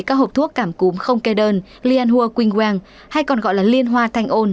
các hộp thuốc cảm cúm không kê đơn lianhua qingguang hay còn gọi là liên hoa thanh ôn